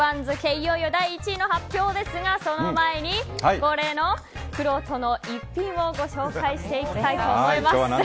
いよいよ第１位の発表ですがその前に恒例のくろうとの逸品をご紹介していきたいと思います。